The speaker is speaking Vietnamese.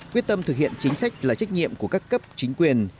quyết tâm thực hiện chính sách là trách nhiệm của các cấp chính quyền